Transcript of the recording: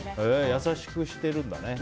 優しくしてるんだね。